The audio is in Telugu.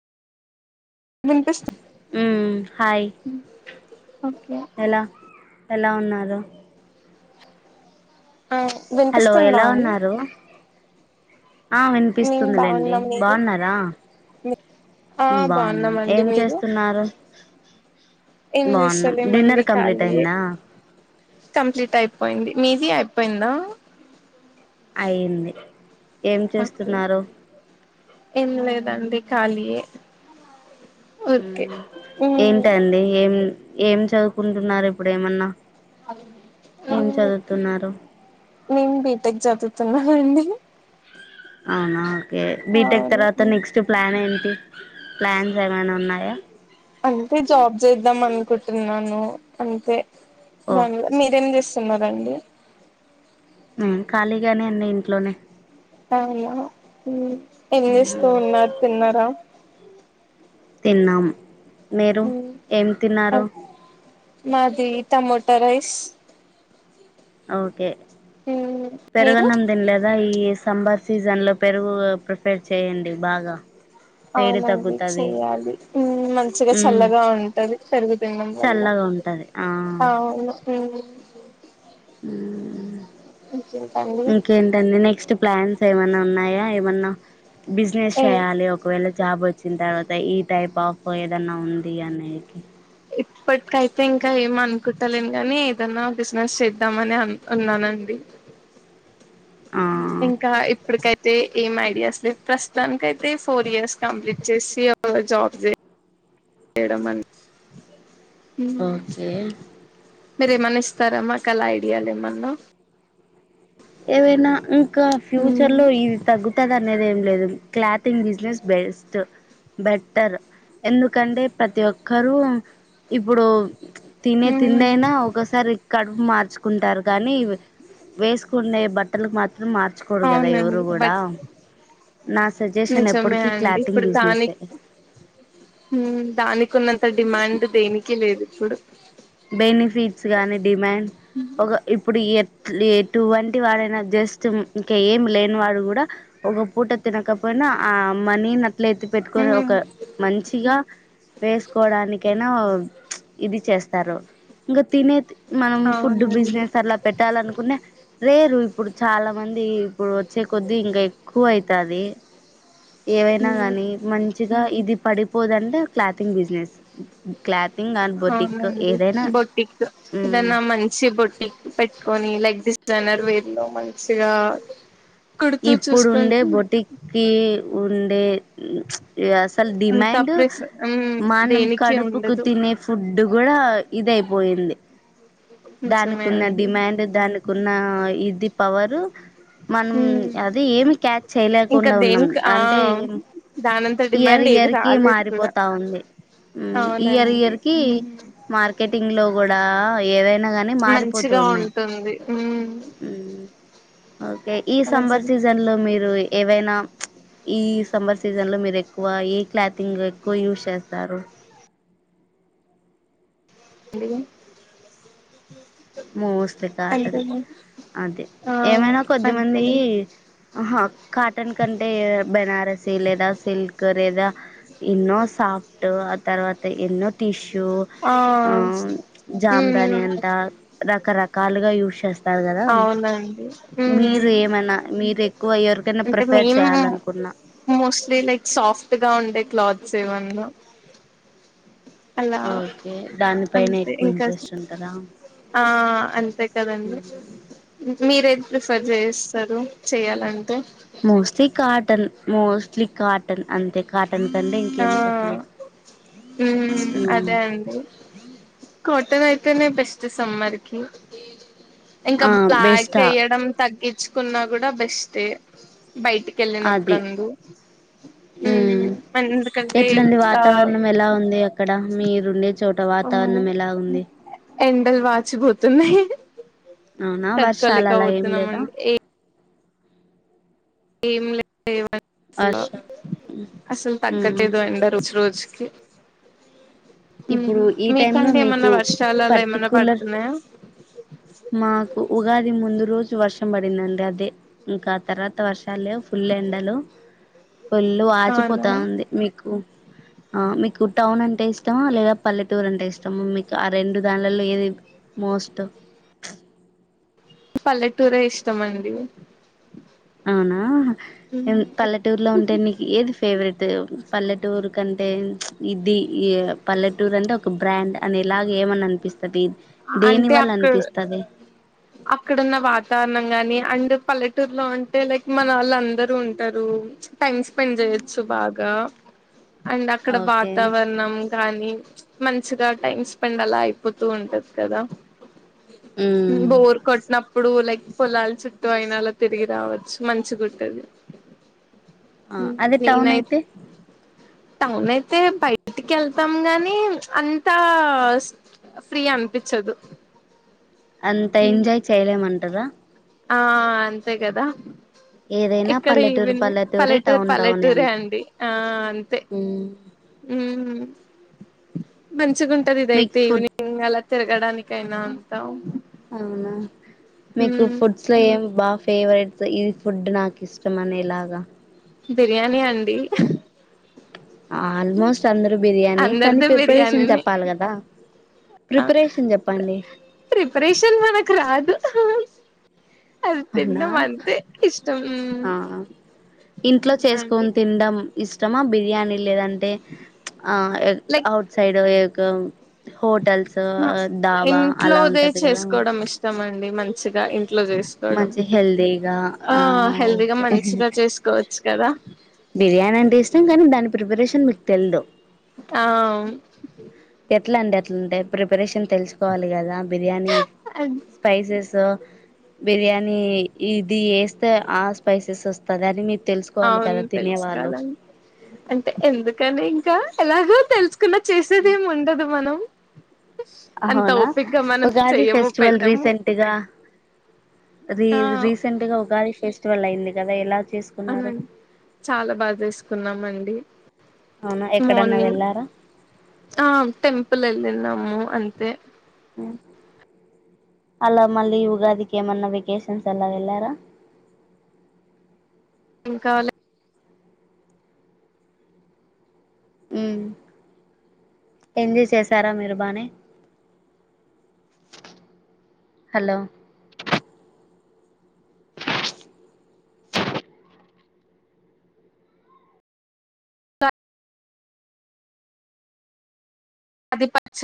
వినిపిస్తు ఊమ్మ్ హాయ్. ఓకే. ఎలా ఎలా ఉన్నారు.? ఆ హలో వినిపిస్తుందా ఎలా అండి ఉన్నారు.? ఆ మేము విన్పిస్తుందిలేండి బాగున్నాం మీరు బాన్నారా.? ఆ ! ఊ బాగున్నాం. బాగున్నామండి ఏం మీరు చేస్తున్నారు.? ఏం బాగున్నాం డిన్నర్ జేస్తాలేమండి కంప్లీట్ ఖాలియె., అయిందా కంప్లీటై. పోయింది. మీది అయిపోయిందా.? ! అయింది. ఏం ఓకే చేస్తున్నారు.? ఏం లేదండి, కాలియే. ఊమ్మ్. ఏంటండి ఏం ఏం చదువుకుంటున్నారు ఇప్పుడెమన్నా.? నేన్ బీటెక్ జదుతున్నా. నా అండి. ! అవునా. కే. బీటెక్ తర్వాత నెక్స్ట్ ప్లానెంటి.? ప్లాన్స్ ఏమైనా ఉన్నాయా.? అంటే జాబ్ జేద్దమన్. టున్నాను అంతే ఓ దాని, మీరేం జేస్తున్నారండి.? ఊ ఖాళీగానే ఉన్నా ఇంట్లోనే. అవునా ఊ ఏం జేస్తూ ఉన్నారు.? తిన్నారా.? తిన్నాం‌. మీరు.? ఏం తిన్నారు.? ఈ టమోటో రైస్. ఆఓకే, మీరు పెరుగన్నం దిన్లేదా ఈఎస్.? సంబర్ సీజన్ లో పెరుగు ప్రిఫేర్ చేయండి బాగా. ! అవునండి చెయ్యాలి, ఊమ్మ్ మంచిగా ఉమ్ చల్లగా ఉంటది పెరుగు తినడం వల్ల. చల్లగా ఉంటది ఆ ఆవును ఊమ్మ్. ఊహ్మ్. ఇంకేంటండి నెక్స్ట్ ప్లాన్స్ ఏమన్నా ఉన్నాయా.? ఏమన్నా.? బిజినెస్ ఏ చేయాలి ఒకవేళ. జాబ్ వచ్చిన్ తర్వాత, ఈ టైప్ ఆఫ్ ఏదన్నా ఉంది అనేకి. ఇప్పట్కైతే ఇంకా ఏమ్ అనుకుంటలేన్ గాని, ఏదనా బిజినెస్ చేద్దామని అన్ అన్నానండి. ఆ ఇంకా ఇప్పుడుకై. తే ఏం ఐడియాస్ లేవ్, ప్రస్తాన్కైతే ఫోర్ ఇయర్స్ కంప్లీట్ చేసి జాబ్ జే. జేయడం అన్. ఓకే. మీరేమనిస్తారా. ! మాక్ అలా ఐడియాలు ఏమన్నా. ఏవైనా ఇంకా ఫ్యూచర్ హ్మ్ లో ఇది తగ్గుతదనేది ఏం. లేదు, క్లాతింగ్ బిజినెస్ బెస్ట్, బెటర్ ఎందుకంటే ప్రతి ఒక్. ఒక్కరు ఇప్పుడు తినే తిండి హ్మ్ అయినా ఒకసారే కూడా మార్చుకుంటారు కానీ వేసుకునేే బట్టలు మాత్రం మార్చకోడు కదా అవునండి ఎవరు కూడాడా బట్ నా సజెషన్ నిజమే ఎప్పటికి అండి క్లాటింగ్ ఇప్పుడు బిజినెసే దానికి దానికి ఉన్నంత డిమాండ్ దేనికి లేదు ఇప్పుడు బెనిఫిట్స్ గానీ డిమాండ్ ఒక ఇప్పుడు టు వంటి వాడైనా జస్ట్ ఇంకా ఏమి లేని వాడు కూడా ఒక పూట తినకపోయినా నా ఆ మనీని అట్లయిత్తే పెట్టుకొని హ్మ్ ఒక మంచిగా వేసుకోడానికైనా ఇది చేస్తారు ఇంకా తినే మనం ఫుడ్ అవునండి బిజినెస్ అలా పెట్టాలనుకుననా లేరు ఇప్పుడు చాలా మంది ఇప్పుడు వచ్చే కొద్దిీ ఇంకా ఎక్కువ అవుతుంది ఏవైనా హ్మ్ గాని మంచిగా ఇది పడిపోదంటే clothing business clothing and boutique boutique ఏదన్నా మంచి బొట్టిక్ పెట్టుకొని లైక్ ద జనర్వేరిలో మంచిగా కుడుతూ ఇప్పుడు ఉండే చూసుకుంటూ బొటికి ఉండే అసలు అంత డిమాండ్ ప్రెస్ హ్మ్ మనం దేనికి కడుపుకు ఉండదు తినే ఫుడ్ అడ్డు కూడా ఇది అయిపోయింది దానికి నిజమే వున అండి డిమాండ్ దానికిన్న పవర్ మనం హ్మ్ అది ఏమి క్యాచ్ ఇంకా చేయలేకుండా ఉన్నాం దేనికి ఆ అంటే ఏం దానంత ఇయర్ డిమాండ్ ఏది ఇయర్ కి రాలేదు కూడా మారిపోతా ఉంది ఇయర్ అవునండి ఇయర్ కి మార్కెటింగ్ లో కూడా ఏవైనా గాని మారిపోతూ మంచిగా ఉన్నాయి ఉంటుంది ఓకే ఈ సమ్మర్ మంచిది సీజన్ లో మీరు ఏవైనా ఈ సమ్మెర్ సీజన్ లో మీరు ఎక్కువ ఏ క్లాతింగ్ ఎక్కువ యూజ్ చేస్తారు అదమని మోస్ట్లీ కాటన్ అదే ఆ ఏమైనా కొద్దిమంది అంతేగా ఆహా కాటన్ కంటే బెనారస్ లేదా సిల్క్ లేదా ఎన్నో సాఫట్ ఆ తర్వాత ఎన్నో టిష్ అ ఆ ఉమ్ చేస్తారు కదా అవునండి ఉమ్ మీరు ఏమైనా మీరు ఎక్కువ ఎవరికైనా అంటే ప్రిఫేర్ మేము చేయాలనుకున్నా మోస్ట్లీ లైక్ సాఫ్ట్ గా ఉండే క్లాత్స్ ఏవన్నా ఓకే దాని పనే ఎక్కువ ఇంకా ఇంట్రెస్ట్ ఉంటారా ఆ అంతే కదా అంది మీరేది ప్రిఫర్ చేయిస్తారు చెయాలంటే మోస్ట్లీ కాటన్ మోస్ట్లీ కాటన్ అంతే కాటన్ కంటే ఆ ఇంకేం చెప్పలేం మ్మ్ అదే అండి కో అత్తన అయితేనే బెస్ట్ సమ్మర్ కి ఇంకా ఆ బ్లాక్ బెస్టా వేయడం తగ్గ ఇచ్చుకున్నా కూడా బెస్ట్ బయటికి వెళ్ళినప్పుడు అది అందు మ్మ్ ఎందుకంటంటే ఎట్లుంది ఆ వాతావరణం ఎలా ఉంది అక్కడ మీరుండే చోట వాతావరణం ఎలా ఉంది ఎండలు వాచిపోతున్నాయి అవునా వర్షాలు అలా ఏం లేదా తట్టుకోలేకపోతున్నామండి ఏ ఏం లేదు ఎండ వర్షాలు అసలు మ్మ్ తగ్గట్లేదు ఎంద రుజి రోజు సి ఇప్పుడు ఈ టైమ్ లో మీకంటే మీకు ఏమన్నా వర్షాలు అలా ఏమన్నా పర్టికులర్ పడుతున్నాయా మాకు ఉగాది ముందు రోజు వర్షం పడిందండి అదే ఇంకా తర్వాత వర్షం ఫుల్ ఎండలు ఫుల్ అవునా వాచిపోతా ఉంది మీకు ఆ మీకు టౌన్ అంటే ఇష్టమా లేదా పల్లెటూరు అంటే ఇష్టమా మీకు ఆ రెండు దానిలో ఏది మోస్ట్లీ పల్లెటూరే ఇష్టమ అండి అవునా పల్లెటూరులో ఉంటే నీకు ఏది ఫేవరెట్ పల్లెటూరు కంటే ఇది పల్లెటూరు అంటే ఒక బ్రాండ్ అని ఇలాగ ఏమని అనిపిస్తుంది అంటే అక్కడ అక్కడున్న వాతావరణం ని అండ్ పల్లెటూరులో అంటే లైక్ మన వాళ్ళు అందరూ ఉంటారు టైమ్ స్పెండ్ చేయచ్చు బాగా అండ్ అక్కడ ఓకే వాతావరణం గానీ మంచిగా టైమ్ స్పెండ్ అలా అయిపోతూ ఉంటది కద ఉమ్ బోర్ కొట్టనా ఇప్పుడు లైక్ పొలలు చుట్టూ అయినలా తిరిగి రావచ్చు మంచిగుట్టది ఆ అదే ని టౌన్ నైతె అయితే టౌన్ అయితే బయటికి వెళ్తాం గాని అంత ఫ్రీ అనిపించదు అంత ఎంజాయ్ చేయలేమంటదా ఆ అంతే కదా ఏదైనా ఇక్కడ పల్లెటూరు ఈవిని పల్లెటూరే పల్లెటూరు టౌన్ టౌనే పల్లెటూరే అంటారు అండి ఆ అంతే ఉమ్ ఉ మంచిగా ఉంటది మీకు ఇదైతే ఫుడ్ ఈవినింగ్ అలా తిరగడానికయినా అంతా అవునా మీకు ఉమ్ ఫుడ్స్ లో ఏం బా ఫేవరెట్ ఇది ఫుడ్ నాకు ఇష్టం అనేలాగా బిర్యానీ అండి ఆల్మోస్ట్ అందరుూ బిర్యానీ కానీ అందరిది ప్రిపరేషన్ బిర్యానీనే చెప్పాలి కదా ప్రిపరేషన్ చెప్పండి ప్రిపరేషన్ మనకు రాదు అదిన్న అవునా మనంత ఇష్టం ఆ ఇంట్లో అండి చేసుకొని తినడం ఇ ఇష్టమా బిర్యానీ లేదంటే ఆ like outside hotels dhaba అలా ఇంట్లోదే ఉంటది కదా చేసుకోవడం ఇష్టం మంచిగా ఇంట్లో చేసుకోవడం మంచి హెల్దీగా ఆ హెల్దీగా ఓకే మంచిగా చేసుకోవచ్చు కదా బిర్యానీ అంటే ఇష్టం కానీ దాని ప్రిపరేషన్ మీకు తెలిదు ఆ ఎట్లా అండి అట్లాంటే ప్రిపరేషన్ తెలుసుకోవాలి కదా బిర్యానీ స్పైసెస్ బిర్యానీ ఇది వేస్తే ఆ స్పైసెస్ వస్తంది అని మీ అవును తెలుసుకోవాలండి అంటే ఎందుకని ఇంకా ఎలాగో తెలుసు న్నా చేసేది ఏం ఉండదు మనం అంత అవునా ఓపిగ్గా మనం ఉగాది చెయ్యము ఫెస్టివల్ పెట్టము రీసెంట్గా రీ ఆ రీసెంట్ గా ఉగాది ఫెస్టివల్ అయింది కదా ఎలా చేసు అవునం చాలా బాగా చేసుకున్నామండి అవునా ఎక్కడన్నా మార్నింగ్ వెళ్ళారా ఆ టెంపుల్ ఎల్లినమ్ము అంతే అ అలా మళ్ళీ ఉగాదికేమన్నా వెకషన్స్ అలా వెళ్ళారా ఇంకా లె మ్ ఎంజాయ్ చేసారా మీరు బానే హలో అది పక్ష